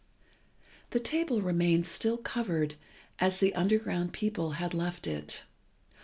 The table remained still covered as the underground people had left it.